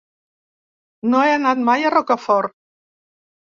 No he anat mai a Rocafort.